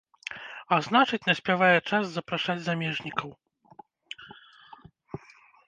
А значыць, наспявае час запрашаць замежнікаў.